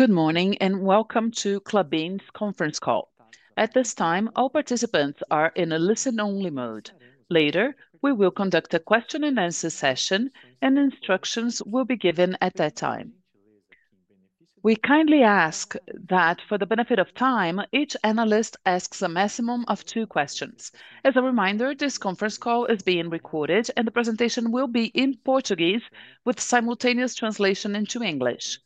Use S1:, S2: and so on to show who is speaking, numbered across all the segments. S1: Good morning and welcome to Klabin's conference call. At this time, all participants are in a listen-only mode. Later, we will conduct a question-and-answer session, and instructions will be given at that time. We kindly ask that, for the benefit of time, each analyst asks a maximum of two questions. As a reminder, this conference call is being recorded, and the presentation will be in Portuguese with simultaneous translation into English.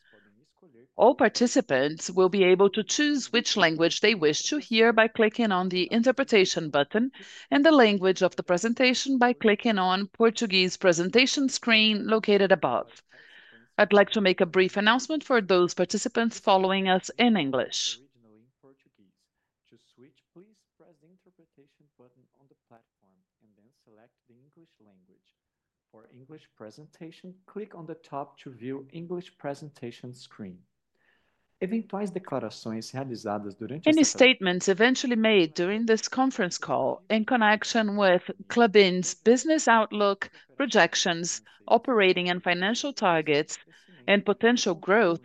S1: All participants will be able to choose which language they wish to hear by clicking on the interpretation button, and the language of the presentation by clicking on the Portuguese presentation screen located above. I'd like to make a brief announcement for those participants following us in English. Originally in Portuguese. To switch, please press the interpretation button on the platform and then select the English language. For English presentation, click on the top to view the English presentation screen. Eventuais declarações realizadas durante. Any statements eventually made during this conference call in connection with Klabin's business outlook, projections, operating and financial targets, and potential growth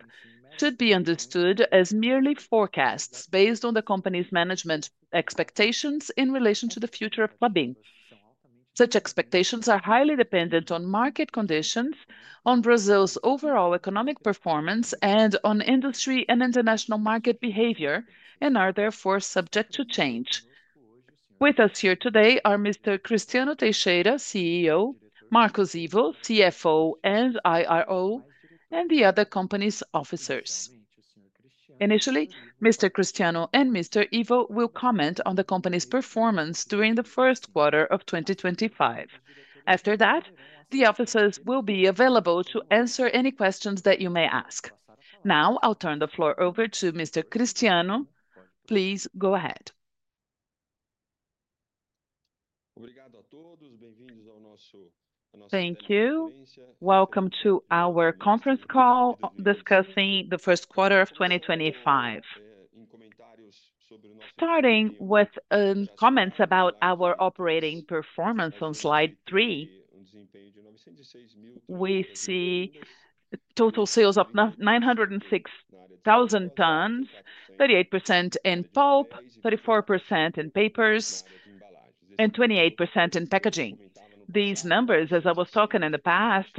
S1: should be understood as merely forecasts based on the company's management expectations in relation to the future of Klabin. Such expectations are highly dependent on market conditions, on Brazil's overall economic performance, and on industry and international market behavior, and are therefore subject to change. With us here today are Mr. Cristiano Teixeira, CEO, Marcos Ivo, CFO and IRO, and the other company's officers. Initially, Mr. Cristiano and Mr. Ivo will comment on the company's performance during the first quarter of 2025. After that, the officers will be available to answer any questions that you may ask. Now, I'll turn the floor over to Mr. Cristiano. Please go ahead.
S2: Obrigado a todos. Bem-vindos ao nosso. Thank you. Welcome to our conference call discussing the first quarter of 2025. Starting with comments about our operating performance on slide three, we see total sales of 906,000 tons, 38% in pulp, 34% in papers, and 28% in packaging. These numbers, as I was talking in the past,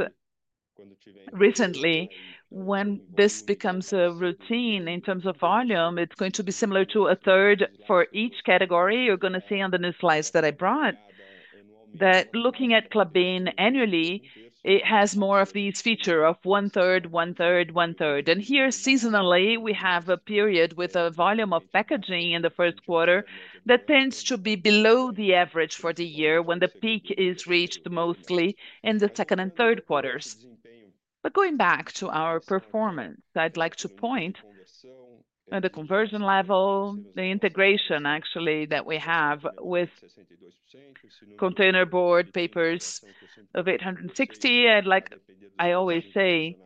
S2: recently, when this becomes a routine in terms of volume, it's going to be similar to a third for each category. You are going to see on the new slides that I brought that looking at Klabin annually, it has more of this feature of one-third, one-third, one-third. Here, seasonally, we have a period with a volume of packaging in the first quarter that tends to be below the average for the year when the peak is reached mostly in the second and third quarters. Going back to our performance, I'd like to point at the conversion level, the integration actually that we have with container board papers of 860. I always say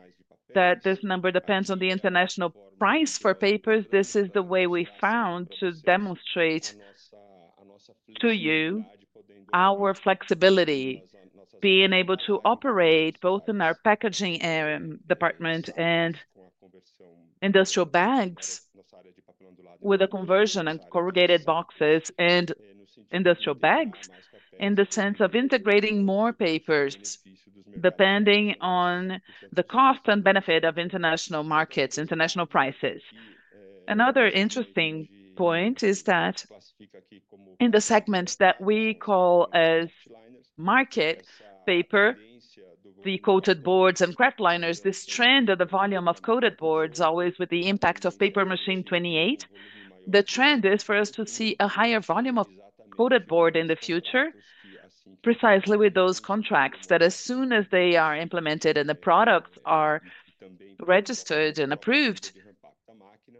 S2: that this number depends on the international price for papers. This is the way we found to demonstrate to you our flexibility, being able to operate both in our packaging department and industrial bags with a conversion and corrugated boxes and industrial bags in the sense of integrating more papers depending on the cost and benefit of international markets, international prices. Another interesting point is that in the segment that we call as market paper, the coated boards and kraft liner, this trend of the volume of coated boards, always with the impact of Paper Machine 28, the trend is for us to see a higher volume of coated board in the future, precisely with those contracts that as soon as they are implemented and the products are registered and approved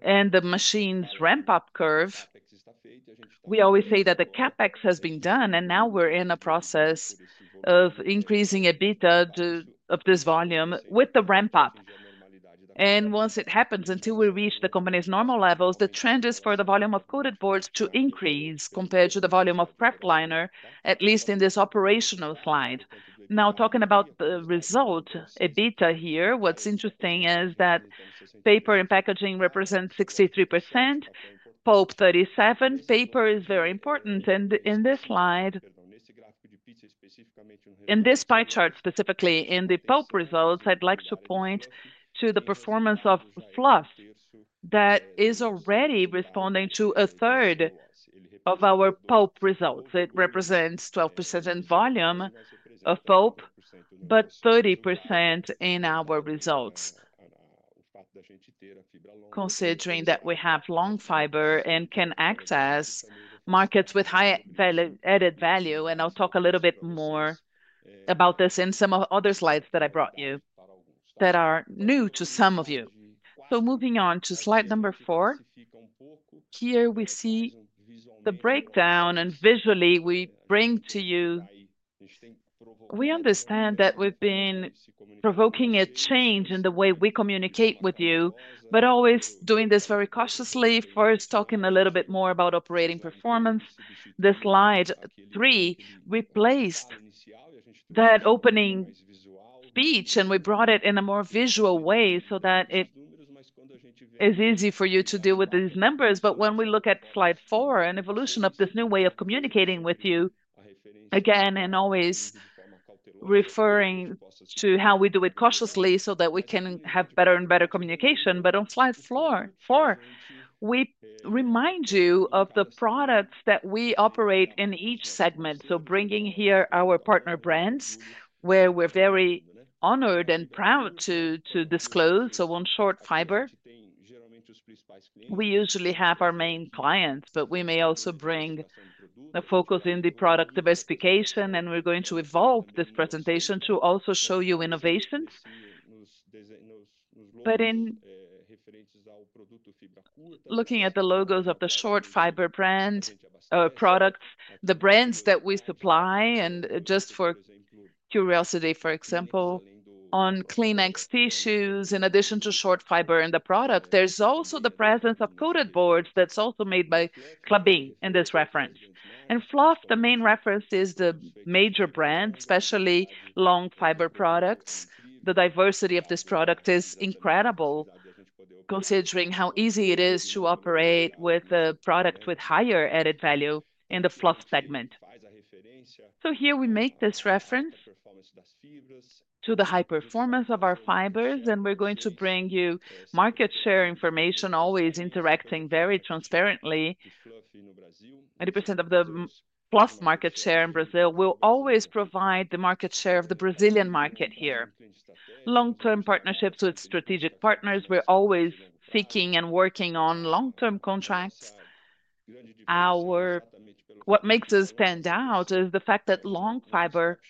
S2: and the machines ramp up curve, we always say that the CapEx has been done and now we're in a process of increasing a bit of this volume with the ramp up. Once it happens, until we reach the company's normal levels, the trend is for the volume of coated boards to increase compared to the volume of kraft liner, at least in this operational slide. Now, talking about the result, EBITDA here, what's interesting is that paper and packaging represent 63%, pulp 37%. Paper is very important. In this slide, in this pie chart specifically, in the pulp results, I'd like to point to the performance of fluff that is already responding to a third of our pulp results. It represents 12% in volume of pulp, but 30% in our results. Considering that we have long fiber and can access markets with high added value, and I'll talk a little bit more about this in some of the other slides that I brought you that are new to some of you. Moving on to slide number four, here we see the breakdown and visually we bring to you. We understand that we've been provoking a change in the way we communicate with you, but always doing this very cautiously. First, talking a little bit more about operating performance. This slide three replaced that opening speech and we brought it in a more visual way so that it is easy for you to deal with these numbers. When we look at slide four and evolution of this new way of communicating with you, again, and always referring to how we do it cautiously so that we can have better and better communication. On slide four, we remind you of the products that we operate in each segment. Bringing here our partner brands, where we're very honored and proud to disclose. On short fiber, we usually have our main clients, but we may also bring a focus in the product diversification, and we're going to evolve this presentation to also show you innovations. In looking at the logos of the short fiber brand products, the brands that we supply, and just for curiosity, for example, on Kleenex tissues, in addition to short fiber in the product, there is also the presence of coated boards that is also made by Klabin in this reference. And fluff, the main reference is the major brand, especially long fiber products. The diversity of this product is incredible, considering how easy it is to operate with a product with higher added value in the fluff segment. Here we make this reference to the high performance of our fibers, and we are going to bring you market share information, always interacting very transparently. 80% of the plus market share in Brazil will always provide the market share of the Brazilian market here. Long-term partnerships with strategic partners, we are always seeking and working on long-term contracts. What makes us stand out is the fact that long fiber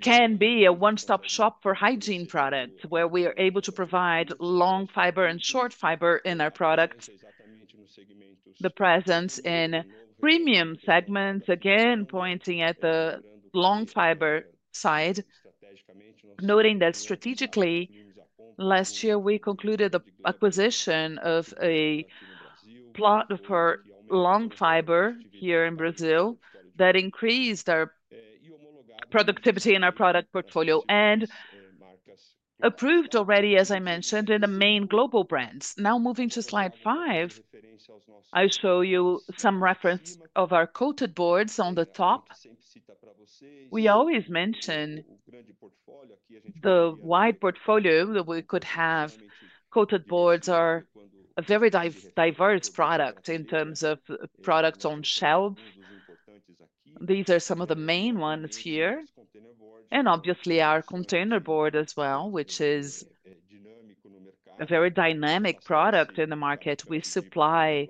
S2: can be a one-stop shop for hygiene products, where we are able to provide long fiber and short fiber in our products, the presence in premium segments, again, pointing at the long fiber side. Noting that strategically, last year we concluded the acquisition of a plot for long fiber here in Brazil that increased our productivity in our product portfolio and approved already, as I mentioned, in the main global brands. Now moving to slide five, I show you some reference of our coated boards on the top. We always mention the wide portfolio that we could have. Coated boards are a very diverse product in terms of products on shelves. These are some of the main ones here. Obviously, our container board as well, which is a very dynamic product in the market. We supply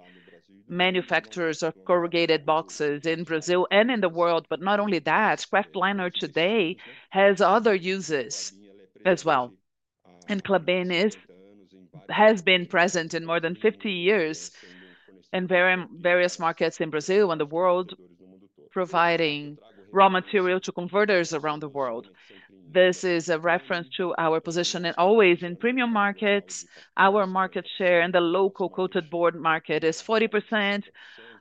S2: manufacturers of corrugated boxes in Brazil and in the world, but not only that, kraft liner today has other uses as well. Klabin has been present for more than 50 years in various markets in Brazil and the world, providing raw material to converters around the world. This is a reference to our position always in premium markets. Our market share in the local coated board market is 40%.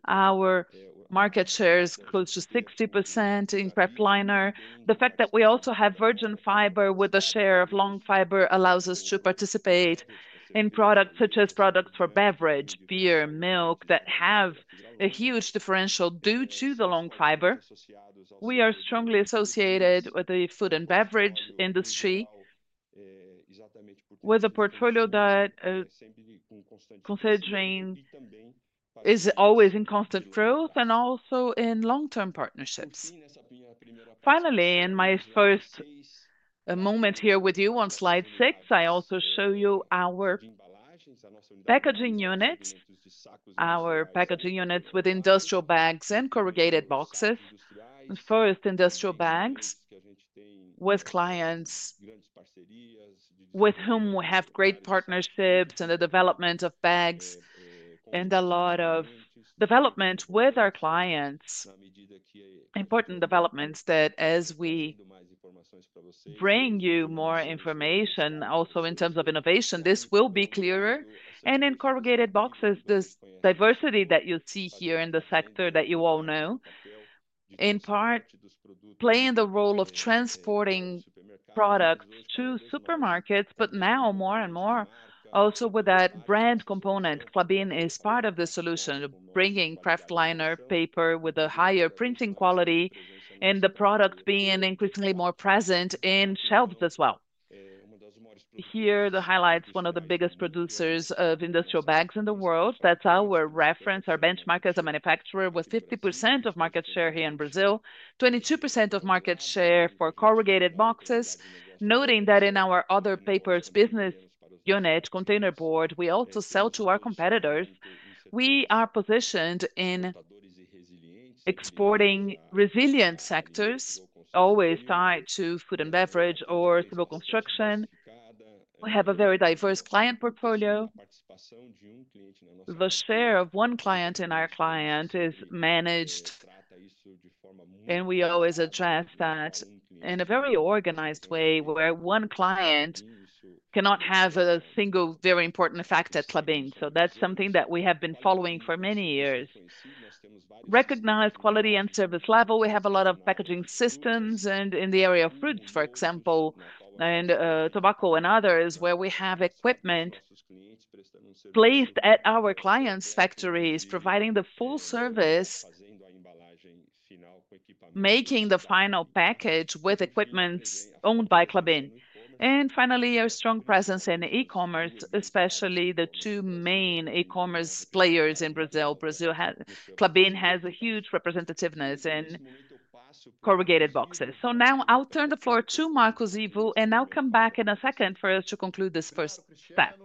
S2: Our market share is close to 60% in kraft liner. The fact that we also have virgin fiber with a share of long fiber allows us to participate in products such as products for beverage, beer, milk that have a huge differential due to the long fiber. We are strongly associated with the food and beverage industry, with a portfolio that, considering, is always in constant growth and also in long-term partnerships. Finally, in my first moment here with you on slide six, I also show you our packaging units, our packaging units with industrial bags and corrugated boxes. First, industrial bags with clients with whom we have great partnerships in the development of bags and a lot of development with our clients. Important developments that as we bring you more information also in terms of innovation, this will be clearer. In corrugated boxes, this diversity that you see here in the sector that you all know, in part playing the role of transporting products to supermarkets, but now more and more also with that brand component, Klabin is part of the solution, bringing Kraft liner paper with a higher printing quality and the products being increasingly more present in shelves as well. Here, the highlights, one of the biggest producers of industrial bags in the world. That's our reference, our benchmark as a manufacturer with 50% of market share here in Brazil, 22% of market share for corrugated boxes. Noting that in our other papers business unit, container board, we also sell to our competitors. We are positioned in exporting resilient sectors, always tied to food and beverage or civil construction. We have a very diverse client portfolio. The share of one client in our client is managed, and we always address that in a very organized way where one client cannot have a single very important fact at Klabin. That is something that we have been following for many years. Recognized quality and service level, we have a lot of packaging systems in the area of fruits, for example, and tobacco and others where we have equipment placed at our clients' factories, providing the full service, making the final package with equipment owned by Klabin. Finally, our strong presence in e-commerce, especially the two main e-commerce players in Brazil. Klabin has a huge representativeness in corrugated boxes. Now I'll turn the floor to Marcos Ivo and I'll come back in a second for us to conclude this first step.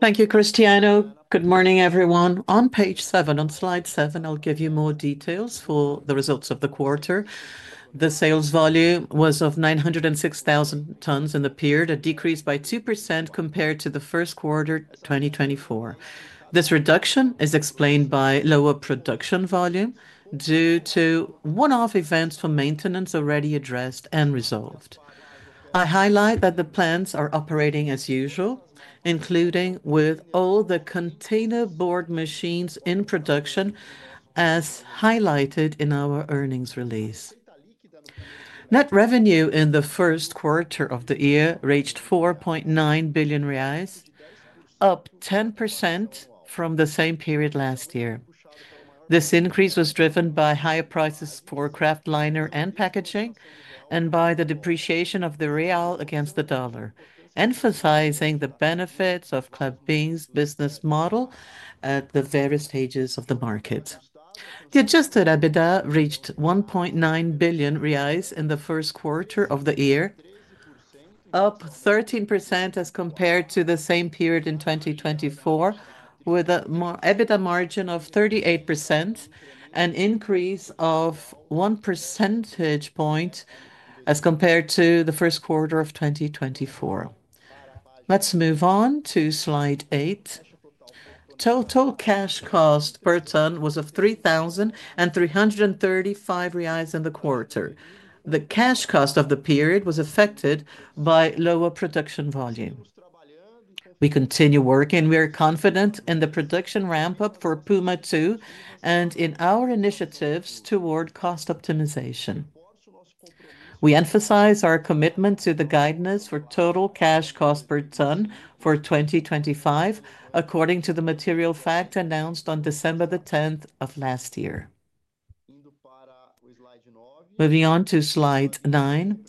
S3: Thank you, Cristiano. Good morning, everyone. On page seven, on slide seven, I'll give you more details for the results of the quarter. The sales volume was 906,000 tons and appeared a decrease by 2% compared to the first quarter 2024. This reduction is explained by lower production volume due to one-off events for maintenance already addressed and resolved. I highlight that the plants are operating as usual, including with all the container board machines in production, as highlighted in our earnings release. Net revenue in the first quarter of the year reached 4.9 billion reais, up 10% from the same period last year. This increase was driven by higher prices for kraft liner and packaging and by the depreciation of the real against the dollar, emphasizing the benefits of Klabin's business model at the various stages of the market. The adjusted EBITDA reached 1.9 billion reais in the first quarter of the year, up 13% as compared to the same period in 2024, with an EBITDA margin of 38%, an increase of one percentage point as compared to the first quarter of 2024. Let's move on to slide eight. Total cash cost per ton was 3,335 reais in the quarter. The cash cost of the period was affected by lower production volume. We continue working. We are confident in the production ramp up for Puma II and in our initiatives toward cost optimization. We emphasize our commitment to the guidance for total cash cost per ton for 2025, according to the material fact announced on December 10 of last year. Moving on to slide nine,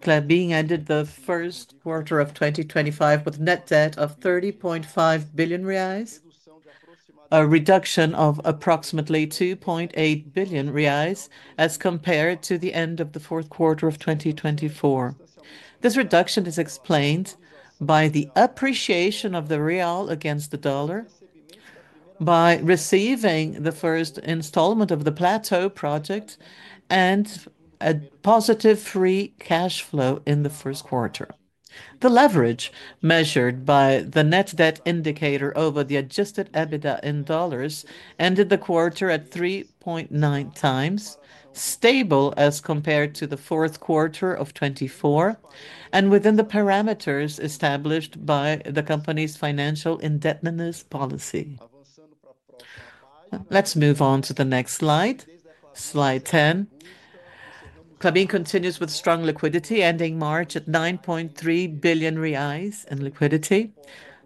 S3: Klabin ended the first quarter of 2025 with net debt of 30.5 billion reais, a reduction of approximately 2.8 billion reais as compared to the end of the fourth quarter of 2024. This reduction is explained by the appreciation of the real against the dollar, by receiving the first installment of the plateau project, and a positive free cash flow in the first quarter. The leverage measured by the net debt indicator over the adjusted EBITDA in dollars ended the quarter at 3.9 times, stable as compared to the fourth quarter of 2024, and within the parameters established by the company's financial indebtedness policy. Let's move on to the next slide. Slide 10. Klabin continues with strong liquidity, ending March at 9.3 billion reais in liquidity.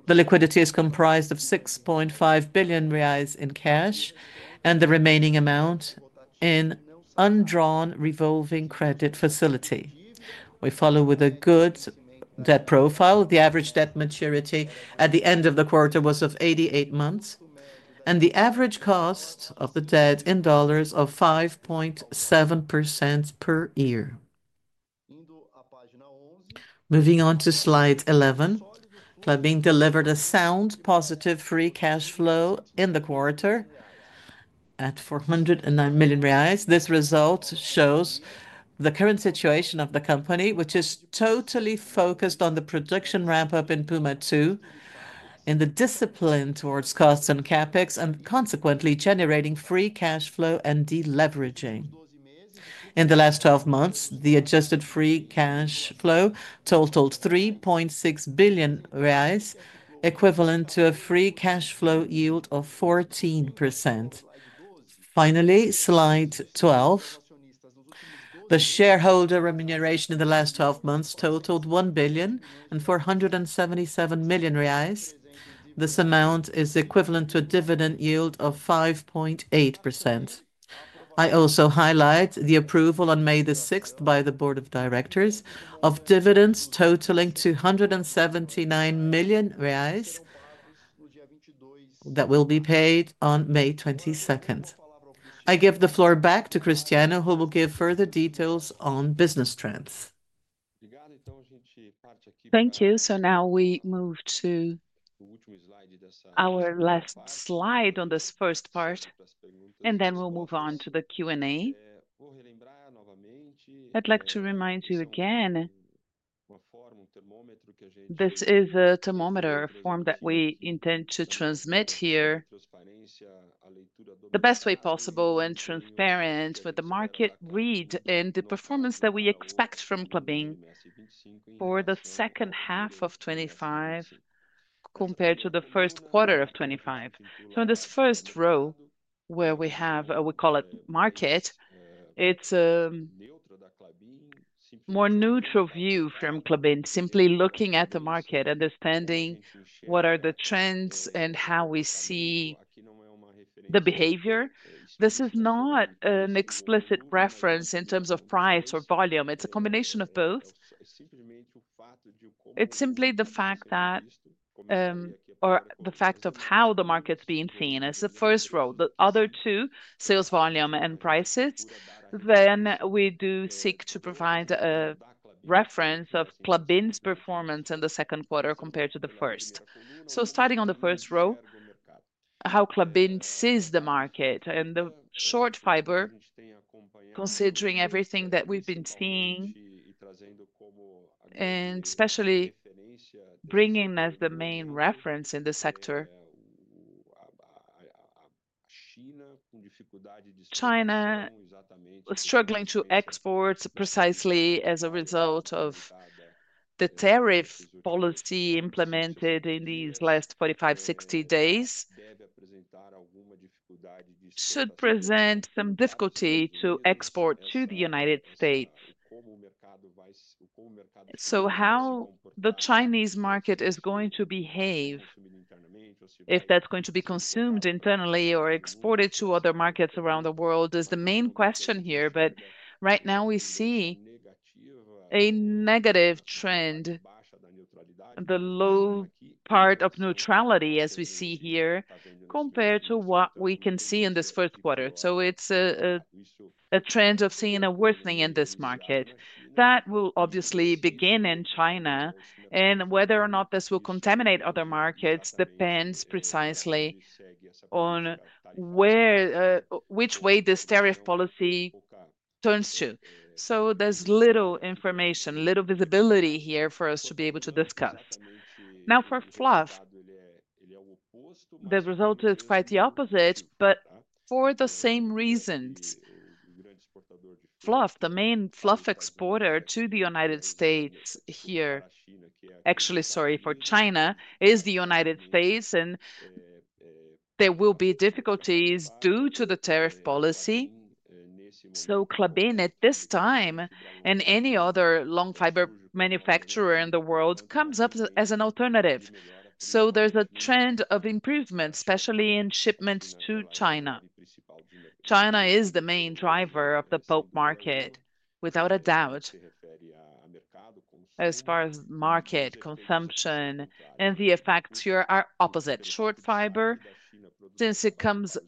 S3: The liquidity is comprised of 6.5 billion reais in cash and the remaining amount in undrawn revolving credit facility. We follow with a good debt profile. The average debt maturity at the end of the quarter was 88 months, and the average cost of the debt in dollars of 5.7% per year. Moving on to slide 11, Klabin delivered a sound positive free cash flow in the quarter at 409 million reais. This result shows the current situation of the company, which is totally focused on the production ramp up in Puma II, in the discipline towards costs and CapEx, and consequently generating free cash flow and deleveraging. In the last 12 months, the adjusted free cash flow totaled 3.6 billion reais, equivalent to a free cash flow yield of 14%. Finally, slide 12, the shareholder remuneration in the last 12 months totaled 1 billion and 477 million. This amount is equivalent to a dividend yield of 5.8%. I also highlight the approval on May the 6th by the board of directors of dividends totaling 279 million reais that will be paid on May 22nd. I give the floor back to Cristiano, who will give further details on business trends.
S2: Thank you. Now we move to our last slide on this first part, and then we'll move on to the Q&A. I'd like to remind you again, this is a thermometer form that we intend to transmit here, the best way possible and transparent for the market read and the performance that we expect from Klabin for the second half of 2025 compared to the first quarter of 2025. In this first row, where we have, we call it market, it's a more neutral view from Klabin, simply looking at the market, understanding what are the trends and how we see the behavior. This is not an explicit reference in terms of price or volume. It's a combination of both. It's simply the fact that, or the fact of how the market's being seen as the first row, the other two, sales volume and prices. We do seek to provide a reference of Klabin's performance in the second quarter compared to the first. Starting on the first row, how Klabin sees the market and the short fiber, considering everything that we've been seeing, and especially bringing as the main reference in the sector. China was struggling to export precisely as a result of the tariff policy implemented in these last 45-60 days, should present some difficulty to export to the United States. How the Chinese market is going to behave, if that's going to be consumed internally or exported to other markets around the world, is the main question here. Right now we see a negative trend, the low part of neutrality as we see here compared to what we can see in this first quarter. It is a trend of seeing a worsening in this market. That will obviously begin in China, and whether or not this will contaminate other markets depends precisely on which way this tariff policy turns to. There is little information, little visibility here for us to be able to discuss. Now, for fluff, the result is quite the opposite, but for the same reasons, fluff, the main fluff exporter to China is the United States, and there will be difficulties due to the tariff policy. Klabin at this time and any other long fiber manufacturer in the world comes up as an alternative. There is a trend of improvement, especially in shipments to China. China is the main driver of the bulk market, without a doubt. As far as market consumption and the effects here are opposite. Short fiber, since it comes,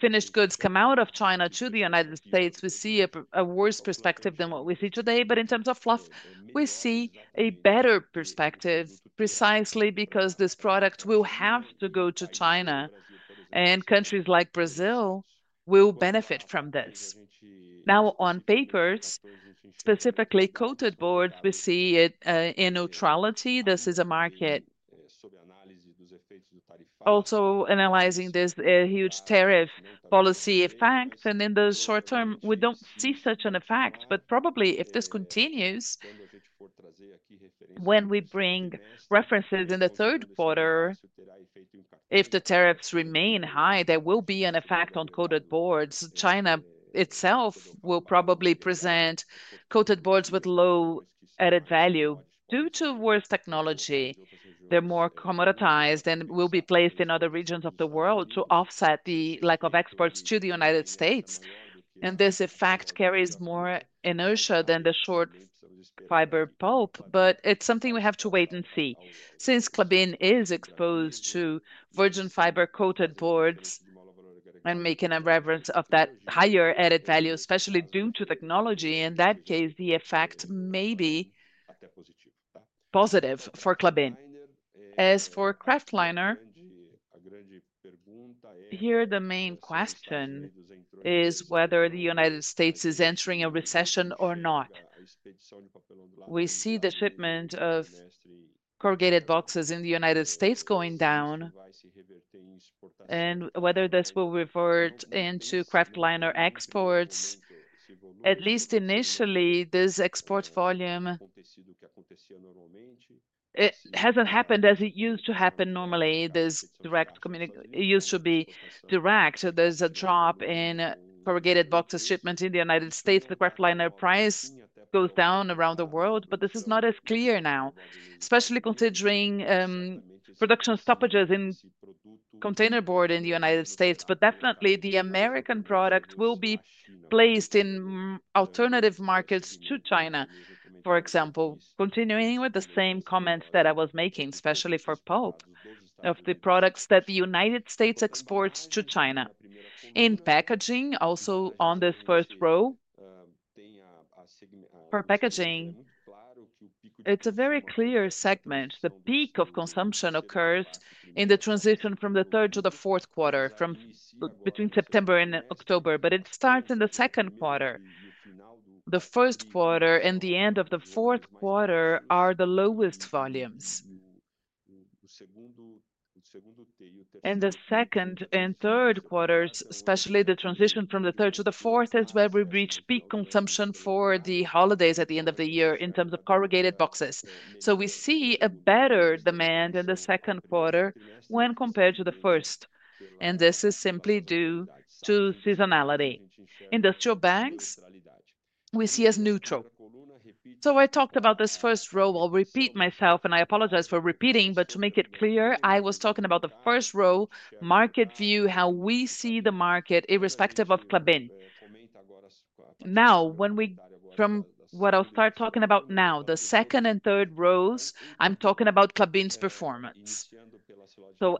S2: finished goods come out of China to the United States, we see a worse perspective than what we see today. In terms of fluff, we see a better perspective precisely because this product will have to go to China, and countries like Brazil will benefit from this. Now, on papers, specifically coated boards, we see it in neutrality. This is a market also analyzing this huge tariff policy effect. In the short term, we do not see such an effect, but probably if this continues, when we bring references in the third quarter, if the tariffs remain high, there will be an effect on coated boards. China itself will probably present coated boards with low added value due to worse technology. They are more commoditized and will be placed in other regions of the world to offset the lack of exports to the United States. This effect carries more inertia than the short fiber pulp, but it's something we have to wait and see. Since Klabin is exposed to virgin fiber coated boards and making a reference of that higher added value, especially due to technology, in that case, the effect may be positive for Klabin. As for Kraft liner, here, the main question is whether the United States is entering a recession or not. We see the shipment of corrugated boxes in the United States going down, and whether this will revert into Kraft liner exports. At least initially, this export volume hasn't happened as it used to happen normally. This direct communication used to be direct. There's a drop in corrugated boxes shipment in the United States. The Kraft liner price goes down around the world, but this is not as clear now, especially considering production stoppages in container board in the U.S. Definitely, the American product will be placed in alternative markets to China, for example. Continuing with the same comments that I was making, especially for pulp, of the products that the U.S. exports to China in packaging, also on this first row for packaging, it is a very clear segment. The peak of consumption occurs in the transition from the third to the fourth quarter, from between September and October, but it starts in the second quarter. The first quarter and the end of the fourth quarter are the lowest volumes. The second and third quarters, especially the transition from the third to the fourth, is where we reach peak consumption for the holidays at the end of the year in terms of corrugated boxes. We see a better demand in the second quarter when compared to the first. This is simply due to seasonality. Industrial bags, we see as neutral. I talked about this first row. I'll repeat myself, and I apologize for repeating, but to make it clear, I was talking about the first row market view, how we see the market irrespective of Klabin. Now, from what I'll start talking about now, the second and third rows, I'm talking about Klabin's performance.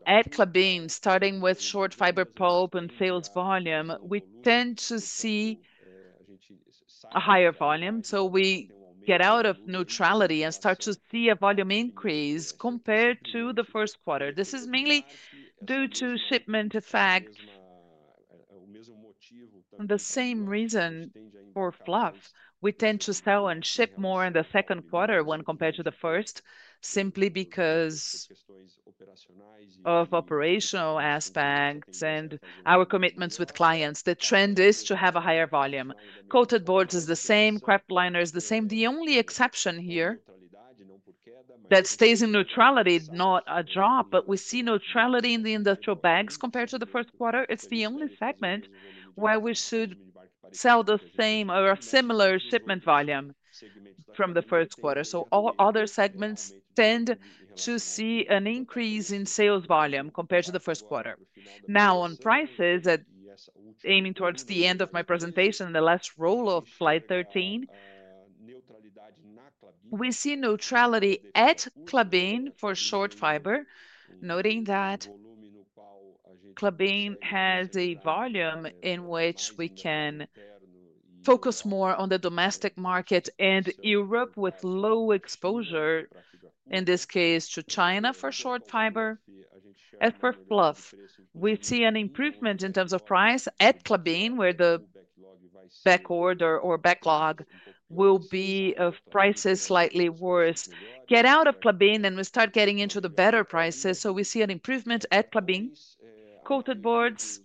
S2: At Klabin, starting with short fiber pulp and sales volume, we tend to see a higher volume. We get out of neutrality and start to see a volume increase compared to the first quarter. This is mainly due to shipment effect. The same reason for fluff. We tend to sell and ship more in the second quarter when compared to the first, simply because of operational aspects and our commitments with clients. The trend is to have a higher volume. Coated boards is the same. Kraft liner is the same. The only exception here that stays in neutrality, not a drop, but we see neutrality in the industrial bags compared to the first quarter. It is the only segment where we should sell the same or similar shipment volume from the first quarter. All other segments tend to see an increase in sales volume compared to the first quarter. Now, on prices, aiming towards the end of my presentation, the last roll of slide 13, we see neutrality at Klabin for short fiber, noting that Klabin has a volume in which we can focus more on the domestic market and Europe with low exposure, in this case, to China for short fiber. As for fluff, we see an improvement in terms of price at Klabin, where the back order or backlog will be of prices slightly worse. Get out of Klabin and we start getting into the better prices. So we see an improvement at Klabin. Coated boards,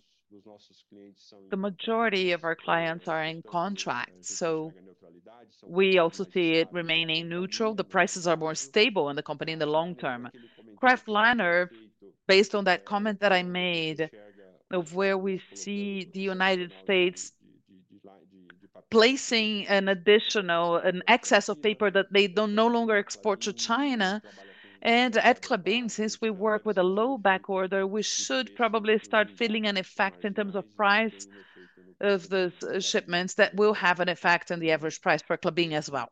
S2: the majority of our clients are in contract. So we also see it remaining neutral. The prices are more stable in the company in the long term. Kraft liner, based on that comment that I made of where we see the United States placing an additional excess of paper that they do not no longer export to China. At Klabin, since we work with a low backlog, we should probably start feeling an effect in terms of price of the shipments that will have an effect on the average price for Klabin as well,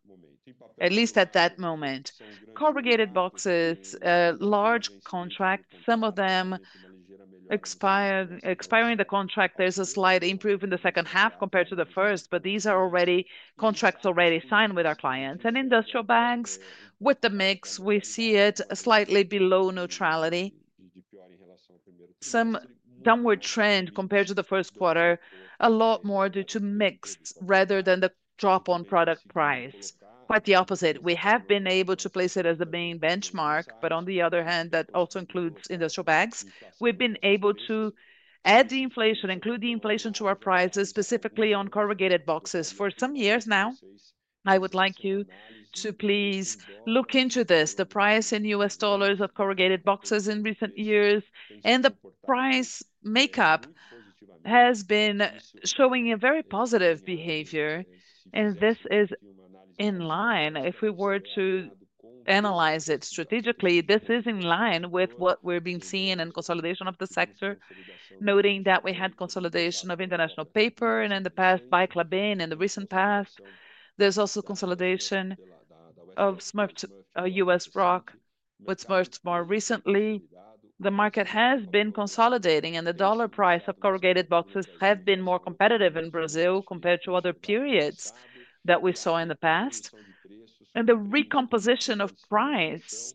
S2: at least at that moment. Corrugated boxes, large contracts, some of them expiring the contract. There is a slight improvement in the second half compared to the first, but these are already contracts already signed with our clients. Industrial bags, with the mix, we see it slightly below neutrality. Some downward trend compared to the first quarter, a lot more due to mix rather than the drop on product price. Quite the opposite. We have been able to place it as the main benchmark, but on the other hand, that also includes industrial bags. We've been able to add the inflation, include the inflation to our prices, specifically on corrugated boxes for some years now. I would like you to please look into this. The price in US dollars of corrugated boxes in recent years and the price makeup has been showing a very positive behavior. This is in line. If we were to analyze it strategically, this is in line with what we're being seen in consolidation of the sector, noting that we had consolidation of International Paper in the past by Klabin in the recent past. There's also consolidation of US Rock with Smurfit more recently. The market has been consolidating and the dollar price of corrugated boxes has been more competitive in Brazil compared to other periods that we saw in the past. The recomposition of price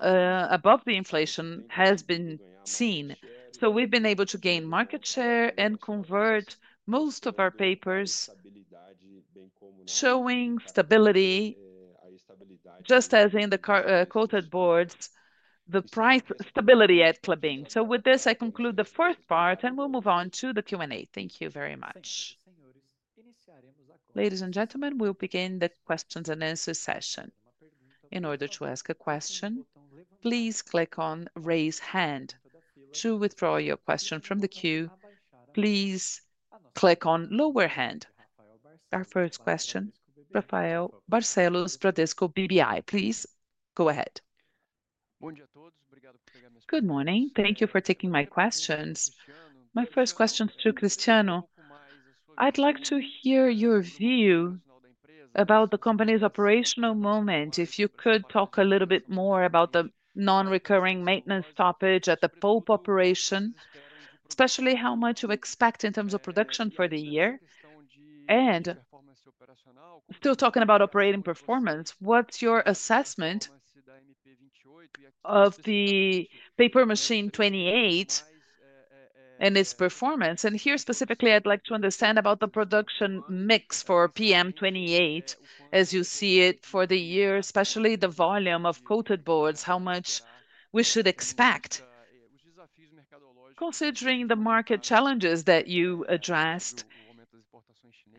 S2: above the inflation has been seen. We have been able to gain market share and convert most of our papers, showing stability, just as in the coated boards, the price stability at Klabin. With this, I conclude the fourth part and we will move on to the Q&A. Thank you very much.
S1: Ladies and gentlemen, we will begin the questions and answers session. In order to ask a question, please click on raise hand. To withdraw your question from the queue, please click on lower hand. Our first question, Rafael Barcellos, Bradesco BBI, please go ahead.
S4: Good morning. Thank you for taking my questions. My first question to Cristiano, I'd like to hear your view about the company's operational moment. If you could talk a little bit more about the non-recurring maintenance stoppage at the pulp operation, especially how much you expect in terms of production for the year. Still talking about operating performance, what's your assessment of the Paper Machine 28 and its performance? Here specifically, I'd like to understand about the production mix for PM28 as you see it for the year, especially the volume of coated boards, how much we should expect, considering the market challenges that you addressed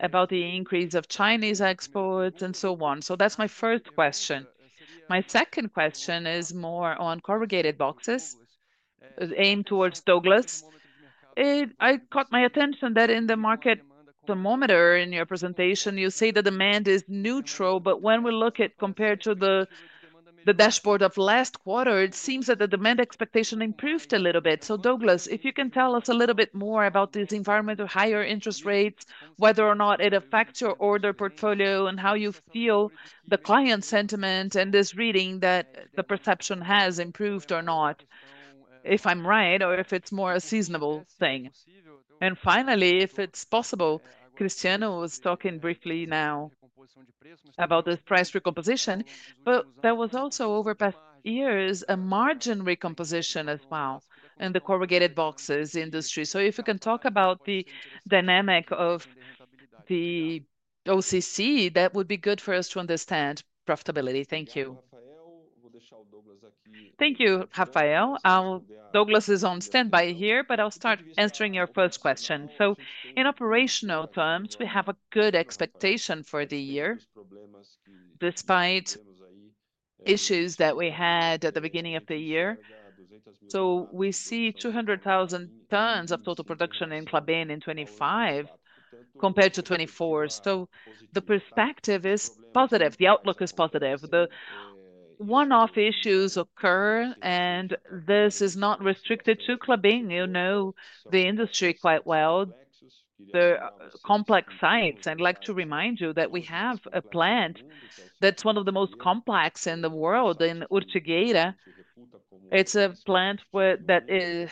S4: about the increase of Chinese exports and so on. That's my first question. My second question is more on corrugated boxes, aimed towards Douglas. It caught my attention that in the market thermometer in your presentation, you say the demand is neutral, but when we look at compared to the dashboard of last quarter, it seems that the demand expectation improved a little bit. Douglas, if you can tell us a little bit more about these environmental higher interest rates, whether or not it affects your order portfolio and how you feel the client sentiment and this reading that the perception has improved or not, if I'm right or if it's more a seasonable thing. Finally, if it's possible, Cristiano was talking briefly now about this price recomposition, but there was also over past years a margin recomposition as well in the corrugated boxes industry. If you can talk about the dynamic of the OCC, that would be good for us to understand profitability. Thank you.
S2: Thank you, Rafael. Douglas is on standby here, but I'll start answering your first question. In operational terms, we have a good expectation for the year despite issues that we had at the beginning of the year. We see 200,000 tons of total production in Klabin in 2025 compared to 2024. The perspective is positive. The outlook is positive. The one-off issues occur and this is not restricted to Klabin. You know the industry quite well. The complex sites, I'd like to remind you that we have a plant that's one of the most complex in the world in Ortigueira. It's a plant that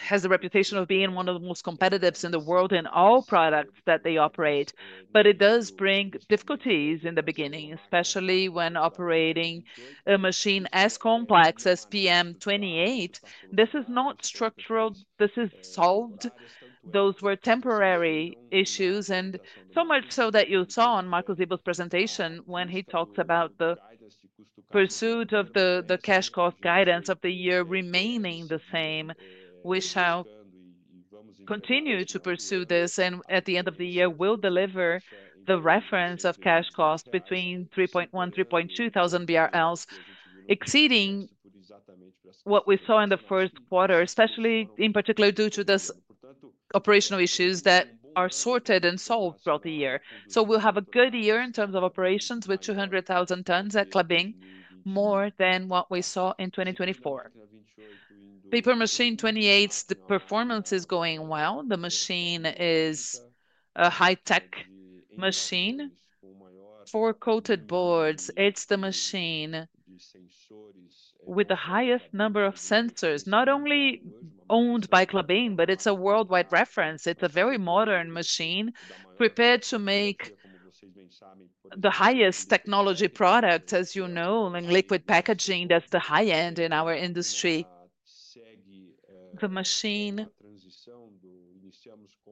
S2: has the reputation of being one of the most competitive in the world in all products that they operate. It does bring difficulties in the beginning, especially when operating a machine as complex as PM28. This is not structural. This is solved. Those were temporary issues and so much so that you saw on Marcos Ivo's presentation when he talks about the pursuit of the cash cost guidance of the year remaining the same. We shall continue to pursue this and at the end of the year, we'll deliver the reference of cash cost between 3,100-3,200 BRL, exceeding what we saw in the first quarter, especially in particular due to these operational issues that are sorted and solved throughout the year. We will have a good year in terms of operations with 200,000 tons at Klabin, more than what we saw in 2024. Paper Machine 28, the performance is going well. The machine is a high-tech machine for coated boards. It's the machine with the highest number of sensors, not only owned by Klabin, but it's a worldwide reference. It's a very modern machine prepared to make the highest technology product, as you know, in liquid packaging. That's the high end in our industry. The machine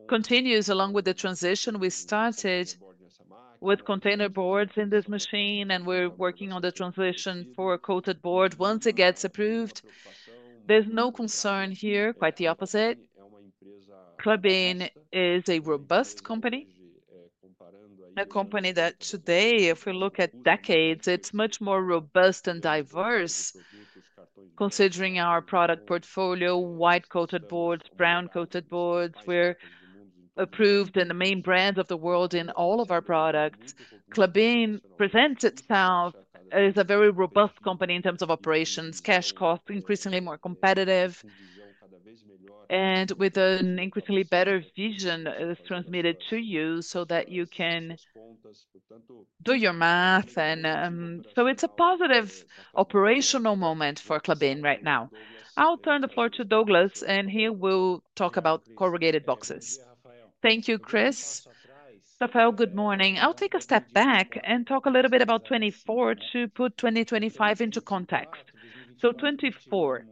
S2: continues along with the transition. We started with container boards in this machine and we're working on the translation for a coated board once it gets approved. There's no concern here, quite the opposite. Klabin is a robust company, a company that today, if we look at decades, it's much more robust and diverse, considering our product portfolio, white coated boards, brown coated boards. We're approved in the main brand of the world in all of our products. Klabin presents itself as a very robust company in terms of operations, cash costs, increasingly more competitive, and with an increasingly better vision as transmitted to you so that you can do your math. It is a positive operational moment for Klabin right now. I'll turn the floor to Douglas and he will talk about corrugated boxes.
S5: Thank you, Chris. Rafael, good morning. I'll take a step back and talk a little bit about 2024 to put 2025 into context. So 2024,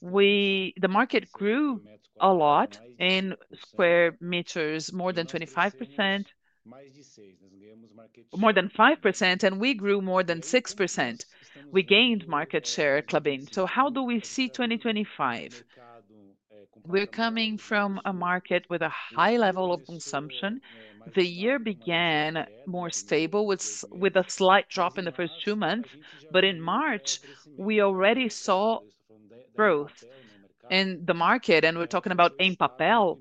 S5: the market grew a lot in square meters, more than 25%, more than 5%, and we grew more than 6%. We gained market share, Klabin. How do we see 2025? We're coming from a market with a high level of consumption. The year began more stable with a slight drop in the first two months, but in March, we already saw growth in the market, and we're talking about Em Papel,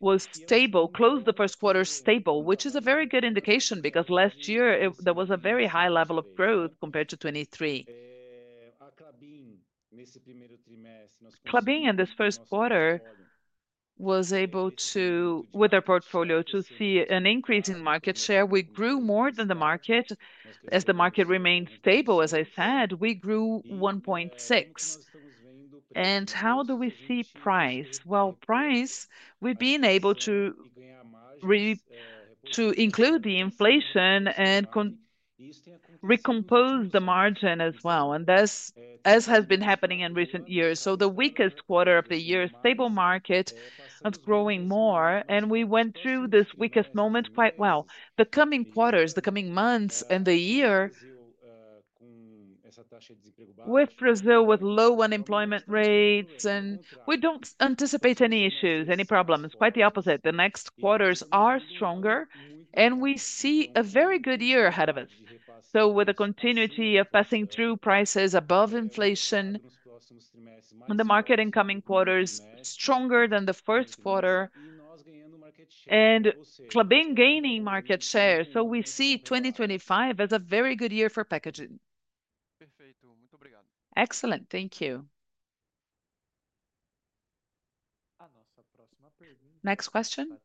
S5: was stable, closed the first quarter stable, which is a very good indication because last year there was a very high level of growth compared to 2023. Klabin in this first quarter was able to, with their portfolio, to see an increase in market share. We grew more than the market. As the market remained stable, as I said, we grew 1.6. How do we see price? Price, we've been able to include the inflation and recompose the margin as well, and this has been happening in recent years. The weakest quarter of the year, stable market, of growing more, and we went through this weakest moment quite well. The coming quarters, the coming months and the year, with Brazil with low unemployment rates, and we do not anticipate any issues, any problems. Quite the opposite. The next quarters are stronger, and we see a very good year ahead of us. With the continuity of passing through prices above inflation in the market in coming quarters, stronger than the first quarter, and Klabin gaining market share, we see 2025 as a very good year for packaging.
S4: Excellent. Thank you.
S1: Next question.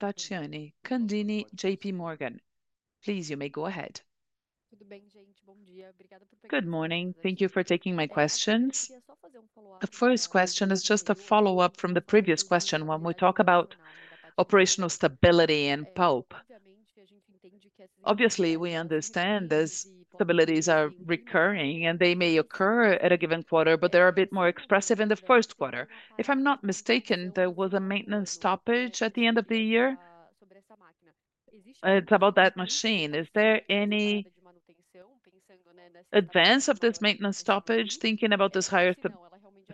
S1: Tathiane Candini, JP Morgan. Please, you may go ahead.
S6: Tudo bem, gente? Bom dia. Obrigada por pegar. Good morning. Thank you for taking my questions. The first question is just a follow-up from the previous question when we talk about operational stability and pulp. Obviously, we understand as stabilities are recurring and they may occur at a given quarter, but they're a bit more expressive in the first quarter. If I'm not mistaken, there was a maintenance stoppage at the end of the year. It's about that machine. Is there any advance of this maintenance stoppage, thinking about this higher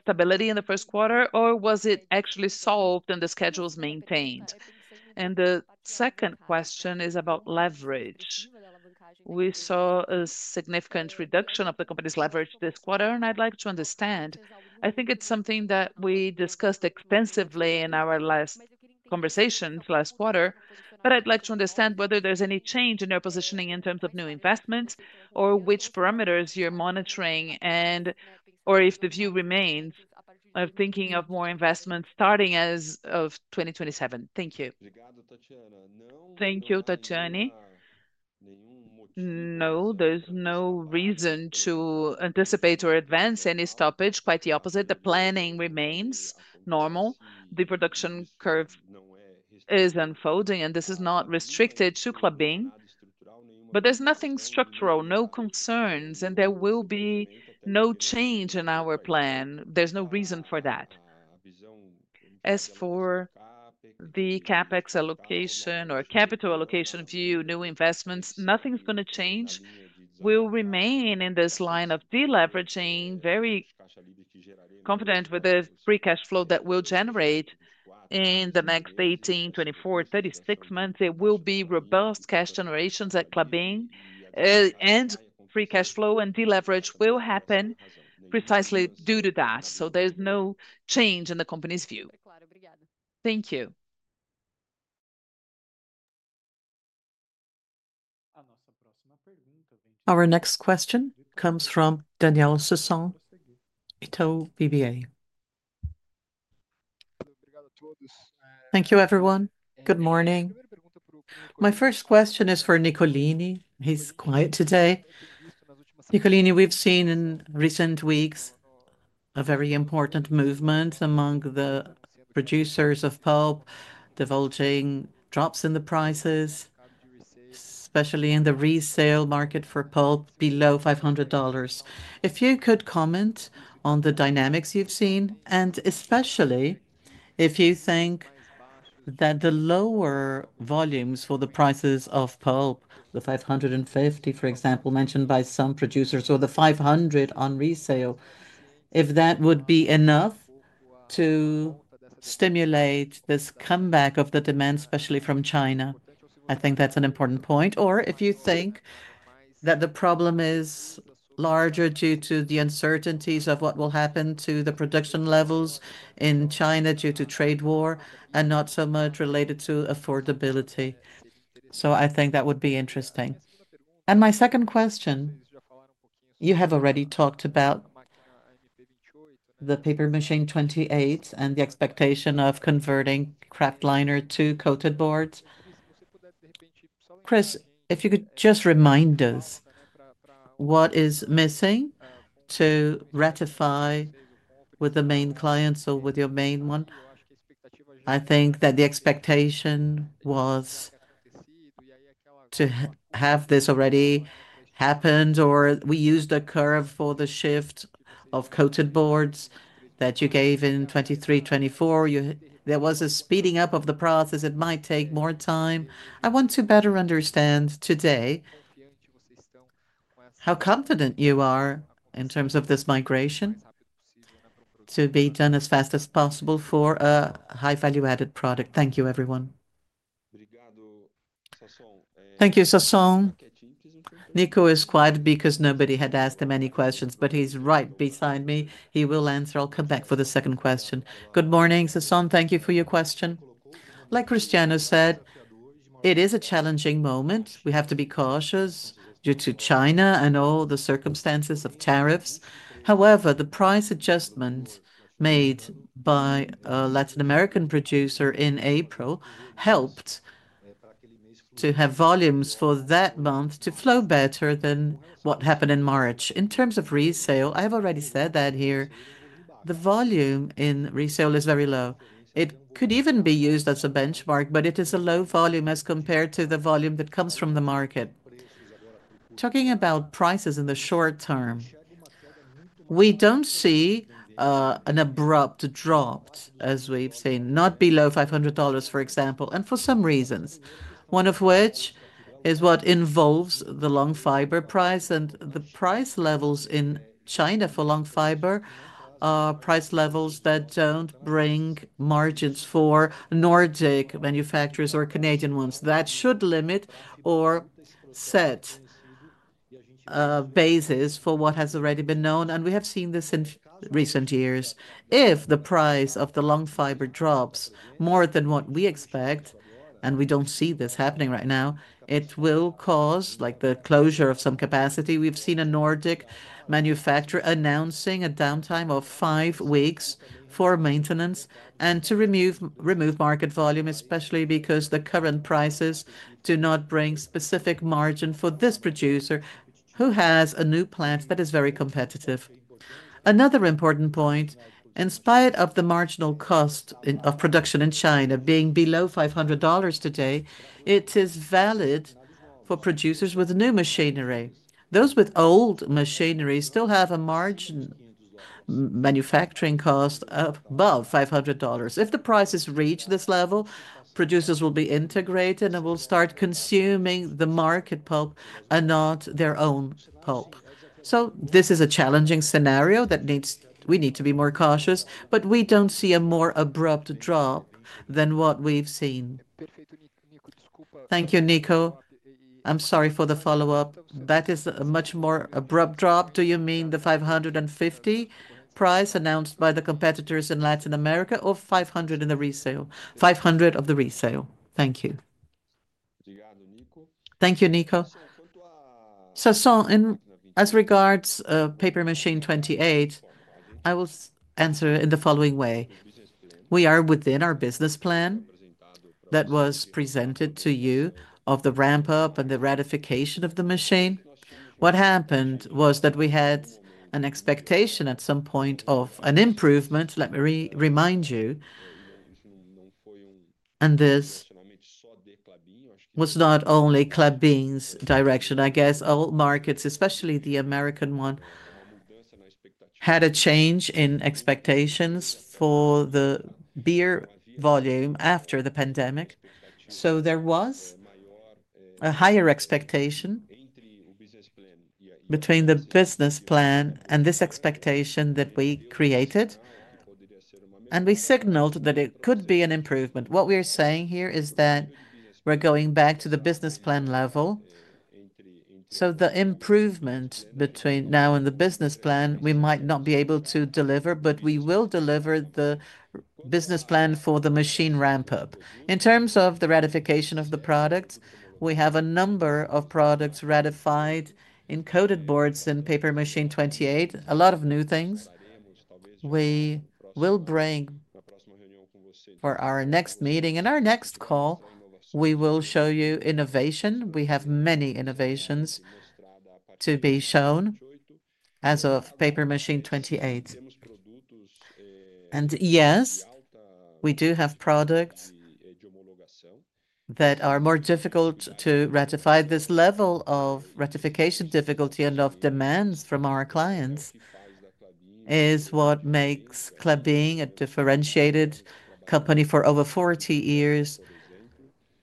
S6: stability in the first quarter, or was it actually solved and the schedule is maintained? The second question is about leverage. We saw a significant reduction of the company's leverage this quarter, and I'd like to understand. I think it's something that we discussed extensively in our last conversations last quarter, but I'd like to understand whether there's any change in your positioning in terms of new investments or which parameters you're monitoring and/or if the view remains of thinking of more investments starting as of 2027. Thank you.
S2: Thank you, Tathiane. No, there's no reason to anticipate or advance any stoppage. Quite the opposite. The planning remains normal. The production curve is unfolding, and this is not restricted to Klabin, but there's nothing structural, no concerns, and there will be no change in our plan. There's no reason for that. As for the CapEx allocation or capital allocation view, new investments, nothing's going to change. We'll remain in this line of deleveraging, very confident with the free cash flow that we'll generate in the next 18, 24, 36 months. There will be robust cash generations at Klabin, and free cash flow and deleverage will happen precisely due to that. There's no change in the company's view. Thank you.
S1: Our next question comes from Daniel Sasson, Itau BBA.
S7: Thank you, everyone. Good morning. My first question is for Nicolini. He's quiet today. Nicolini, we've seen in recent weeks a very important movement among the producers of pulp, divulging drops in the prices, especially in the resale market for pulp below $500. If you could comment on the dynamics you've seen, and especially if you think that the lower volumes for the prices of pulp, the $550, for example, mentioned by some producers, or the $500 on resale, if that would be enough to stimulate this comeback of the demand, especially from China. I think that's an important point. If you think that the problem is larger due to the uncertainties of what will happen to the production levels in China due to trade war and not so much related to affordability. I think that would be interesting. My second question, you have already talked about the Paper Machine 28 and the expectation of converting Kraft liner to coated boards. Chris, if you could just remind us what is missing to ratify with the main clients or with your main one. I think that the expectation was to have this already happened or we used a curve for the shift of coated boards that you gave in 2023, 2024. There was a speeding up of the process. It might take more time. I want to better understand today how confident you are in terms of this migration to be done as fast as possible for a high-value-added product. Thank you, everyone.
S2: Thank you, Sasson. Nico is quiet because nobody had asked him any questions, but he's right beside me. He will answer. I'll come back for the second question.
S8: Good morning, Sasson. Thank you for your question. Like Cristiano said, it is a challenging moment. We have to be cautious due to China and all the circumstances of tariffs. However, the price adjustment made by a Latin American producer in April helped to have volumes for that month to flow better than what happened in March. In terms of resale, I have already said that here. The volume in resale is very low. It could even be used as a benchmark, but it is a low volume as compared to the volume that comes from the market. Talking about prices in the short term, we do not see an abrupt drop, as we have seen, not below $500, for example, and for some reasons, one of which is what involves the long fiber price. The price levels in China for long fiber are price levels that do not bring margins for Nordic manufacturers or Canadian ones that should limit or set bases for what has already been known. We have seen this in recent years. If the price of the long fiber drops more than what we expect, and we do not see this happening right now, it will cause like the closure of some capacity. We have seen a Nordic manufacturer announcing a downtime of five weeks for maintenance and to remove market volume, especially because the current prices do not bring specific margin for this producer who has a new plant that is very competitive. Another important point, in spite of the marginal cost of production in China being below $500 today, it is valid for producers with new machinery. Those with old machinery still have a margin manufacturing cost above $500. If the prices reach this level, producers will be integrated and will start consuming the market pulp and not their own pulp. This is a challenging scenario that needs we need to be more cautious, but we do not see a more abrupt drop than what we have seen.
S7: Thank you, Nico. I am sorry for the follow-up. That is a much more abrupt drop. Do you mean the $550 price announced by the competitors in Latin America or $500 in the resale? $500 of the resale. Thank you.
S2: Thank you, Nico. Sasson, in regards to Paper Machine 28, I will answer in the following way. We are within our business plan that was presented to you of the ramp-up and the ratification of the machine. What happened was that we had an expectation at some point of an improvement. Let me remind you, and this was not only Klabin's direction. I guess all markets, especially the American one, had a change in expectations for the beer volume after the pandemic. There was a higher expectation between the business plan and this expectation that we created, and we signaled that it could be an improvement. What we are saying here is that we are going back to the business plan level. The improvement between now and the business plan, we might not be able to deliver, but we will deliver the business plan for the machine ramp-up. In terms of the ratification of the products, we have a number of products ratified in coated boards in Paper Machine 28, a lot of new things. We will bring for our next meeting and our next call. We will show you innovation. We have many innovations to be shown as of Paper Machine 28. Yes, we do have products that are more difficult to ratify. This level of ratification difficulty and of demands from our clients is what makes Klabin a differentiated company for over 40 years,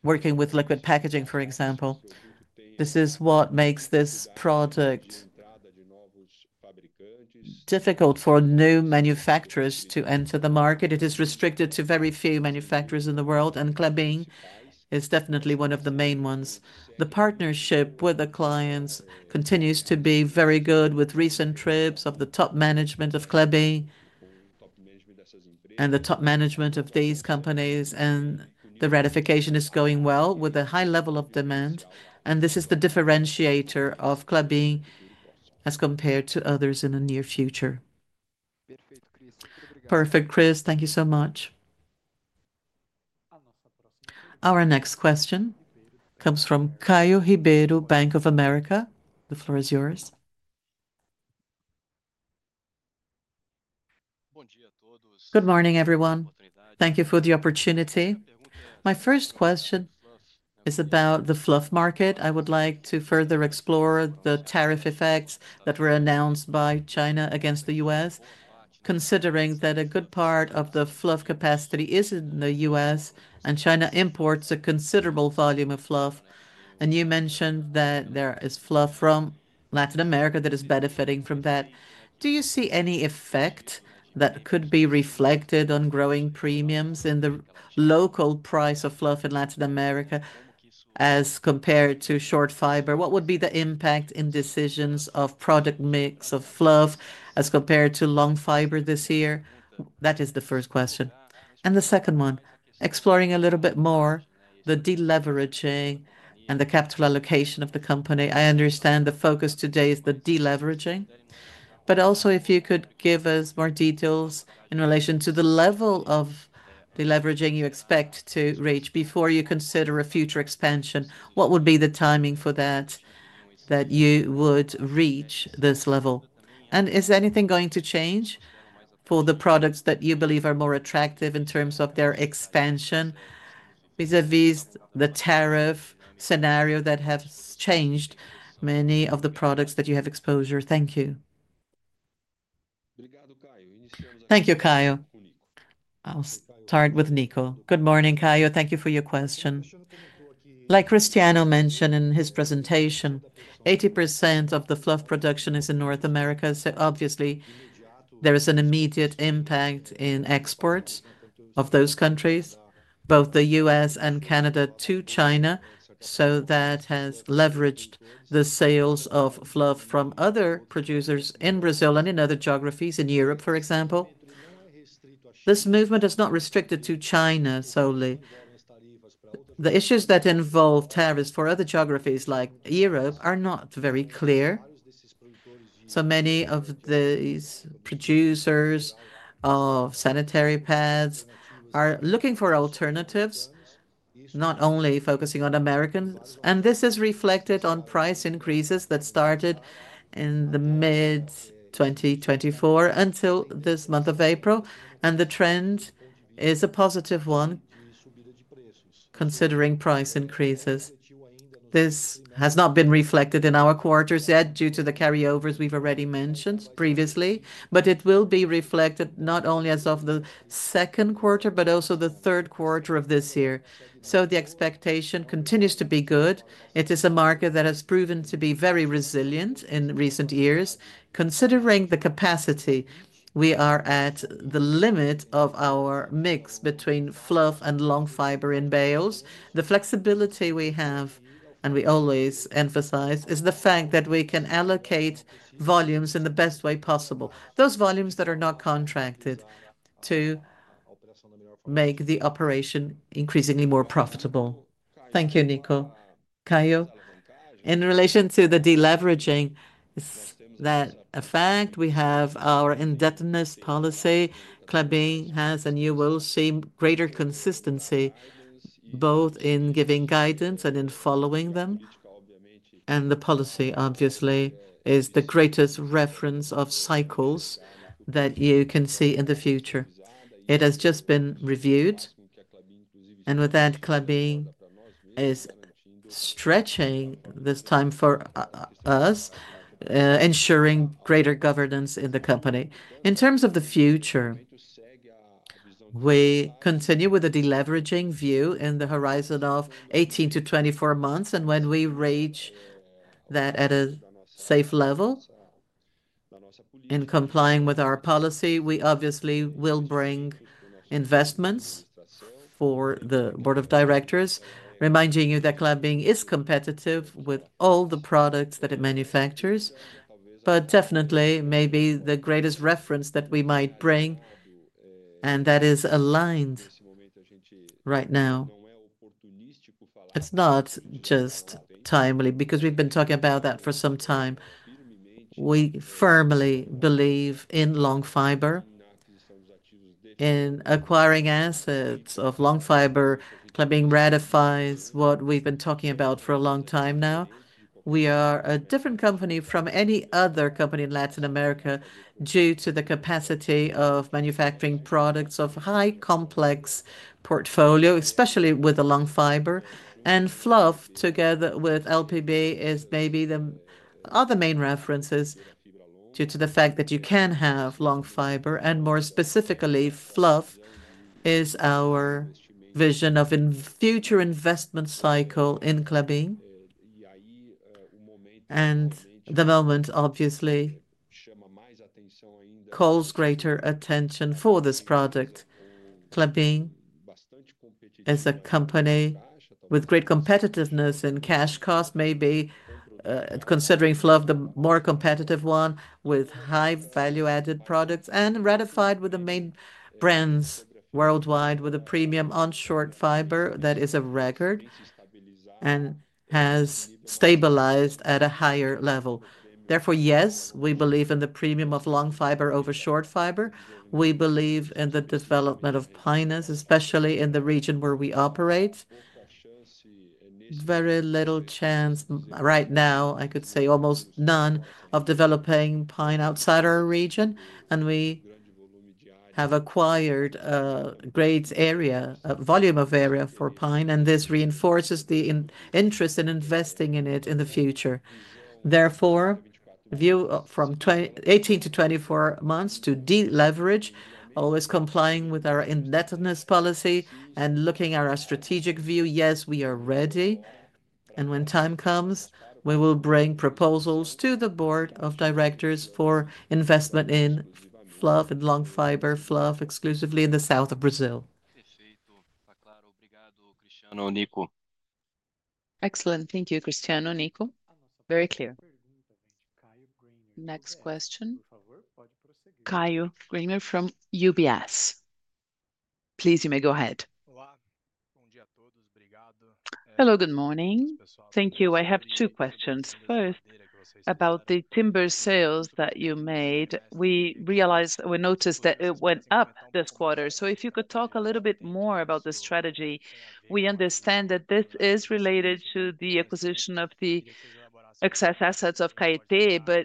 S2: working with liquid packaging, for example. This is what makes this product difficult for new manufacturers to enter the market. It is restricted to very few manufacturers in the world, and Klabin is definitely one of the main ones. The partnership with the clients continues to be very good with recent trips of the top management of Klabin and the top management of these companies. The ratification is going well with a high level of demand. This is the differentiator of Klabin as compared to others in the near future.
S7: Perfect, Chris. Thank you so much.
S1: Our next question comes from Caio Ribeiro, Bank of America. The floor is yours.
S9: Good morning, everyone. Thank you for the opportunity. My first question is about the fluff market. I would like to further explore the tariff effects that were announced by China against the U.S., considering that a good part of the fluff capacity is in the U.S. and China imports a considerable volume of fluff. You mentioned that there is fluff from Latin America that is benefiting from that. Do you see any effect that could be reflected on growing premiums in the local price of fluff in Latin America as compared to short fiber? What would be the impact in decisions of product mix of fluff as compared to long fiber this year? That is the first question. The second one, exploring a little bit more the deleveraging and the capital allocation of the company. I understand the focus today is the deleveraging, but also if you could give us more details in relation to the level of deleveraging you expect to reach before you consider a future expansion, what would be the timing for that that you would reach this level? Is anything going to change for the products that you believe are more attractive in terms of their expansion vis-à-vis the tariff scenario that has changed many of the products that you have exposure? Thank you.
S2: Thank you, Caio. I'll start with Nico.
S8: Good morning, Caio. Thank you for your question. Like Cristiano mentioned in his presentation, 80% of the fluff production is in North America. Obviously, there is an immediate impact in exports of those countries, both the U.S. and Canada, to China. That has leveraged the sales of fluff from other producers in Brazil and in other geographies in Europe, for example. This movement is not restricted to China solely. The issues that involve tariffs for other geographies like Europe are not very clear. Many of these producers of sanitary pads are looking for alternatives, not only focusing on Americans. This is reflected on price increases that started in mid-2024 until this month of April. The trend is a positive one, considering price increases. This has not been reflected in our quarters yet due to the carryovers we've already mentioned previously, but it will be reflected not only as of the second quarter, but also the third quarter of this year. The expectation continues to be good. It is a market that has proven to be very resilient in recent years. Considering the capacity, we are at the limit of our mix between fluff and long fiber in bales. The flexibility we have, and we always emphasize, is the fact that we can allocate volumes in the best way possible. Those volumes that are not contracted to make the operation increasingly more profitable.
S2: Thank you, Nico. Caio, in relation to the deleveraging, that a fact we have our indebtedness policy, Klabin has, and you will see greater consistency both in giving guidance and in following them. The policy, obviously, is the greatest reference of cycles that you can see in the future. It has just been reviewed. With that, Klabin is stretching this time for us, ensuring greater governance in the company. In terms of the future, we continue with a deleveraging view in the horizon of 18-24 months. When we reach that at a safe level in complying with our policy, we obviously will bring investments for the board of directors. Reminding you that Klabin is competitive with all the products that it manufactures, but definitely maybe the greatest reference that we might bring, and that is aligned right now. It is not just timely because we have been talking about that for some time. We firmly believe in long fiber, in acquiring assets of long fiber. Klabin ratifies what we have been talking about for a long time now. We are a different company from any other company in Latin America due to the capacity of manufacturing products of high complex portfolio, especially with the long fiber. Fluff together with LPB is maybe the other main references due to the fact that you can have long fiber and more specifically fluff is our vision of a future investment cycle in Klabin. At the moment, obviously, calls greater attention for this product. Klabin is a company with great competitiveness in cash cost, maybe considering fluff the more competitive one with high value-added products and ratified with the main brands worldwide with a premium on short fiber that is a record and has stabilized at a higher level. Therefore, yes, we believe in the premium of long fiber over short fiber. We believe in the development of pines, especially in the region where we operate. Very little chance right now, I could say almost none of developing pine outside our region. We have acquired a great area, a volume of area for pine. This reinforces the interest in investing in it in the future. Therefore, view from 18-24 months to deleverage, always complying with our indebtedness policy and looking at our strategic view. Yes, we are ready. When time comes, we will bring proposals to the board of directors for investment in fluff and long fiber, fluff exclusively in the south of Brazil. Excellent.
S9: Thank you, Cristiano, Nico. Very clear.
S1: Next question. Caio Greiner from UBS. Please, you may go ahead.
S10: Hello, good morning. Thank you. I have two questions. First, about the timber sales that you made. We realized, we noticed that it went up this quarter. If you could talk a little bit more about the strategy. We understand that this is related to the acquisition of the excess assets of Caete.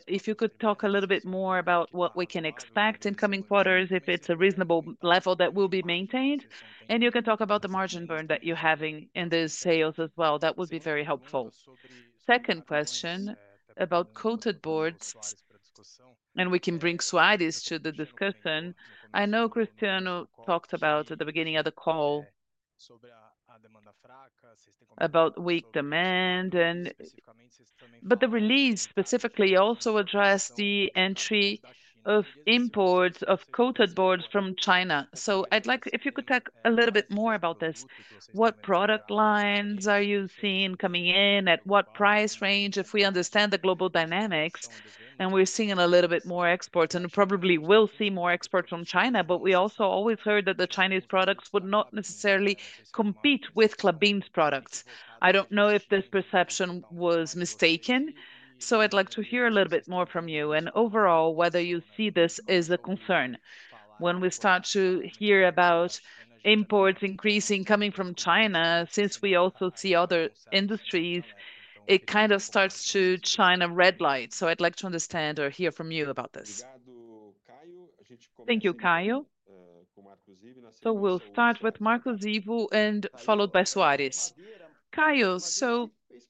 S10: If you could talk a little bit more about what we can expect in coming quarters, if it is a reasonable level that will be maintained. You can talk about the margin burn that you are having in these sales as well. That would be very helpful. Second question about coated boards. We can bring Swedish to the discussion. I know Cristiano talked about at the beginning of the call about weak demand. The release specifically also addressed the entry of imports of coated boards from China. I would like if you could talk a little bit more about this. What product lines are you seeing coming in? At what price range? If we understand the global dynamics and we're seeing a little bit more exports and probably will see more exports from China, but we also always heard that the Chinese products would not necessarily compete with Klabin's products. I don't know if this perception was mistaken. I'd like to hear a little bit more from you. Overall, whether you see this as a concern. When we start to hear about imports increasing coming from China, since we also see other industries, it kind of starts to shine a red light. I'd like to understand or hear from you about this.
S2: Thank you, Caio. We'll start with Marcos Ivo and followed by Soarez.
S3: Caio,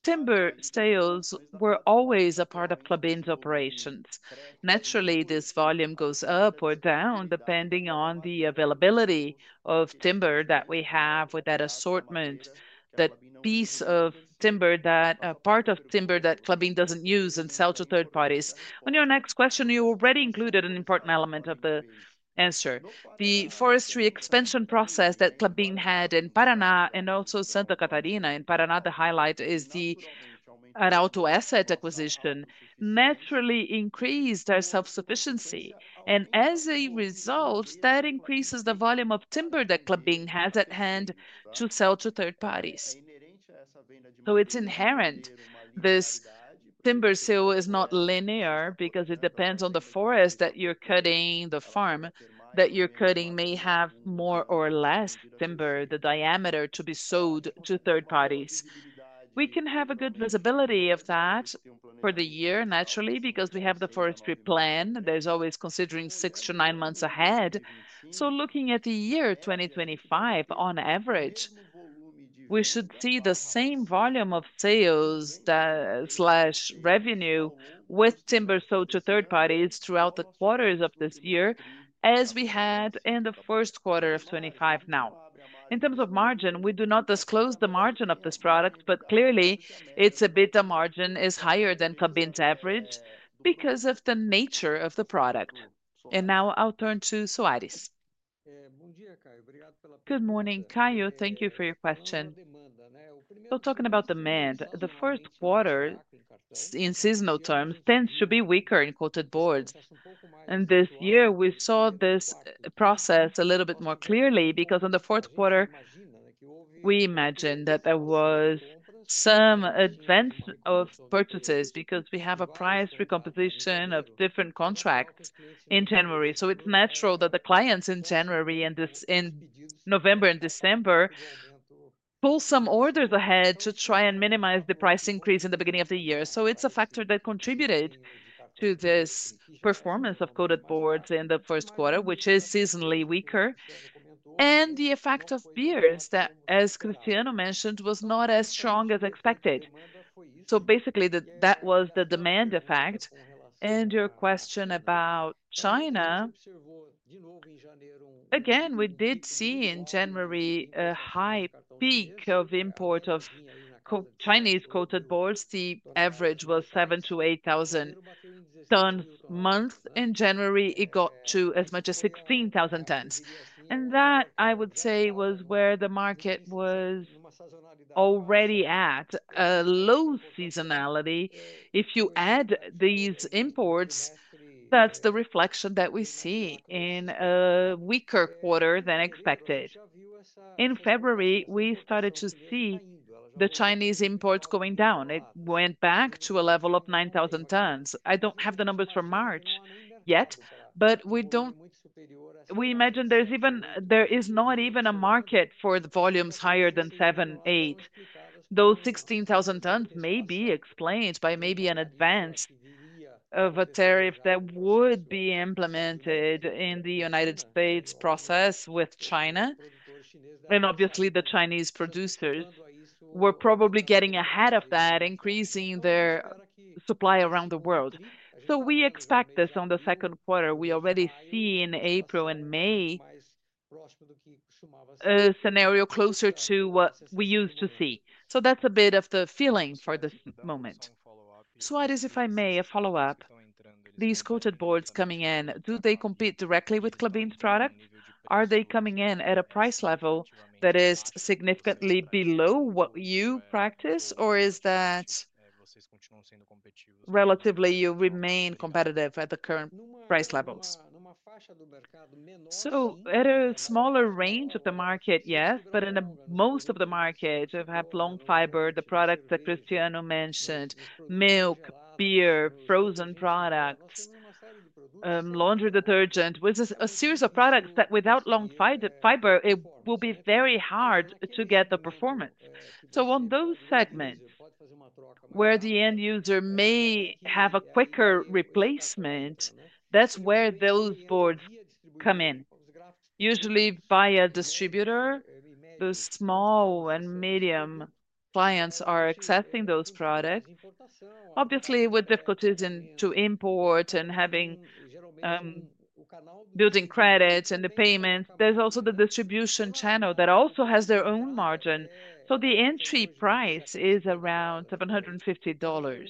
S3: timber sales were always a part of Klabin's operations. Naturally, this volume goes up or down depending on the availability of timber that we have with that assortment, that piece of timber, that part of timber that Klabin does not use and sell to third parties. On your next question, you already included an important element of the answer. The forestry expansion process that Klabin had in Paraná and also Santa Catarina in Paraná, the highlight is the Arauto asset acquisition, naturally increased our self-sufficiency. As a result, that increases the volume of timber that Klabin has at hand to sell to third parties. It is inherent. This timber sale is not linear because it depends on the forest that you are cutting, the farm that you are cutting may have more or less timber, the diameter to be sold to third parties. We can have a good visibility of that for the year, naturally, because we have the forestry plan. There's always considering six to nine months ahead. Looking at the year 2025, on average, we should see the same volume of sales/revenue with timber sold to third parties throughout the quarters of this year as we had in the first quarter of 2025. In terms of margin, we do not disclose the margin of this product, but clearly its EBITDA margin is higher than Klabin's average because of the nature of the product. Now I'll turn to Soarez.
S11: Good morning, Caio. Thank you for your question. Talking about demand, the first quarter in seasonal terms tends to be weaker in coated boards. This year we saw this process a little bit more clearly because in the fourth quarter, we imagined that there was some advance of purchases because we have a price recomposition of different contracts in January. It is natural that the clients in January and this in November and December pull some orders ahead to try and minimize the price increase in the beginning of the year. It is a factor that contributed to this performance of coated boards in the first quarter, which is seasonally weaker. The effect of beers that, as Cristiano mentioned, was not as strong as expected. Basically that was the demand effect. Your question about China, again, we did see in January a high peak of import of Chinese coated boards. The average was 7,000-8,000 tons per month. In January, it got to as much as 16,000 tons. That, I would say, was where the market was already at, a low seasonality. If you add these imports, that is the reflection that we see in a weaker quarter than expected. In February, we started to see the Chinese imports going down. It went back to a level of 9,000 tons. I do not have the numbers for March yet, but we do not imagine there is even a market for the volumes higher than 7,000-8,000. Those 16,000 tons may be explained by maybe an advance of a tariff that would be implemented in the United States process with China. Obviously, the Chinese producers were probably getting ahead of that, increasing their supply around the world. We expect this on the second quarter. We already see in April and May a scenario closer to what we used to see. That is a bit of the feeling for this moment.
S10: Soarez, if I may, a follow-up. These coated boards coming in, do they compete directly with Klabin's product? Are they coming in at a price level that is significantly below what you practice, or is that relatively you remain competitive at the current price levels?
S11: At a smaller range of the market, yes, but in most of the market, if I have long fiber, the product that Cristiano mentioned, milk, beer, frozen products, laundry detergent, which is a series of products that without long fiber, it will be very hard to get the performance. On those segments where the end user may have a quicker replacement, that is where those boards come in, usually via distributor. Those small and medium clients are accepting those products, obviously with difficulties in import and having building credit and the payments. There is also the distribution channel that also has their own margin. The entry price is around $750.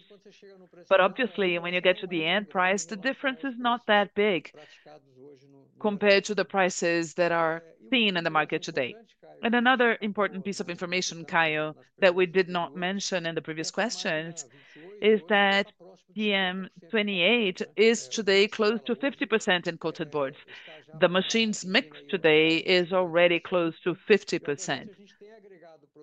S11: Obviously, when you get to the end price, the difference is not that big compared to the prices that are seen in the market today. Another important piece of information, Caio, that we did not mention in the previous questions, is that PM28 is today close to 50% in coated boards. The machine's mix today is already close to 50%.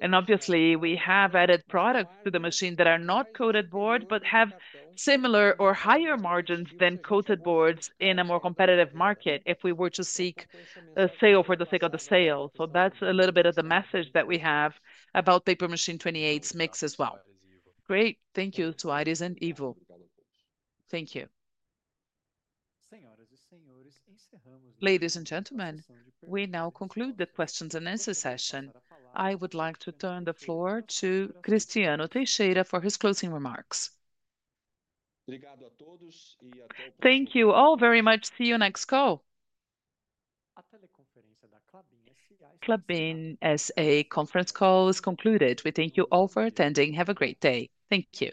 S11: We have added products to the machine that are not coated boards, but have similar or higher margins than coated boards in a more competitive market if we were to seek a sale for the sake of the sale. That is a little bit of the message that we have about Paper Machine 28's mix as well. Great.
S10: Thank you, Soarez and Ivo.
S1: Thank you. Ladies and gentlemen, we now conclude the questions and answer session. I would like to turn the floor to Cristiano Teixeira for his closing remarks.
S2: Thank you all very much. See you next call.
S1: Klabin SA conference call is concluded. We thank you all for attending. Have a great day. Thank you.